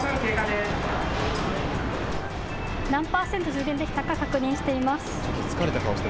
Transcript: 何％充電できたか確認してみます。